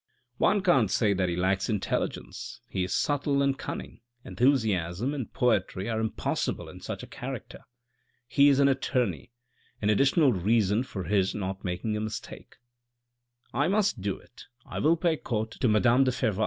One can't say that he lacks intelligence ; he is subtle and cunning; enthusiasm and poetry are impossible in such a character. He is an attorney : an additional reason for his not making a mistake. " I must do it, I will pay court to madame de Fervaques.